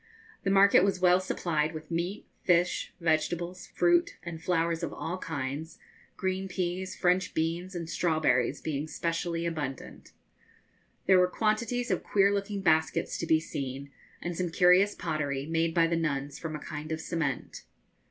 The market was well supplied with meat, fish, vegetables, fruit, and flowers of all kinds, green peas, French beans, and strawberries being specially abundant. There were quantities of queer looking baskets to be seen, and some curious pottery, made by the nuns from a kind of cement.